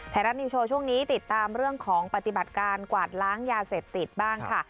ไทยรัฐนิวโชว์ช่วงนี้ติดตามเรื่องของปฏิบัติการกวาดล้างยาเสพติดบ้างค่ะ